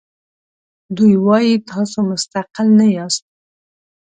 دوی وایي تاسو مستقل نه یاست.